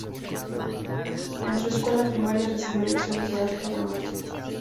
En su escuela primaria recibió lecciones de arte dramático.